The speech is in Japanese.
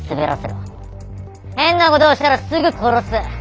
変なことをしたらすぐ殺す。